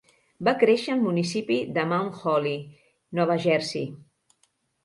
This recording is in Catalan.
Va créixer al municipi de Mount Holly, Nova Jersei.